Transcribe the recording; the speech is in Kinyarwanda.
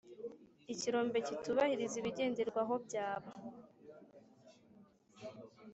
Ikirombe kitubahiriza ibigenderwaho byaba